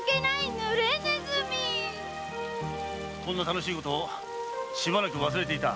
こんな楽しいことしばらく忘れていた。